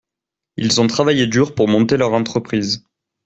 Ils ont travaillé dur pour monter leur entreprise.